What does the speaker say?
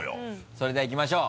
それではいきましょう。